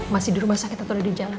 masih di rumah sakit atau di jalan